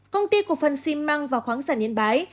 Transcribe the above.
công ty của phần xin mang vào khoáng sản yên bái